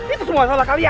itu semua salah kalian